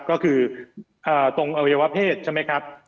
ก็คือตรงอวัยวะเพศใช่ไหมครับ